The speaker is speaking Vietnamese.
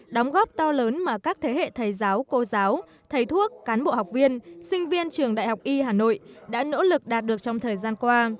đóng góp to lớn mà các thế hệ thầy giáo cô giáo thầy thuốc cán bộ học viên sinh viên trường đại học y hà nội đã nỗ lực đạt được trong thời gian qua